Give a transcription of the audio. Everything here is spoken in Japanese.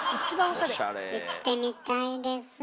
行ってみたいです。